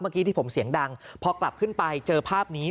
เมื่อกี้ที่ผมเสียงดังพอกลับขึ้นไปเจอภาพนี้